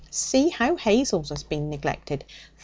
See how Hazel's has been neglected!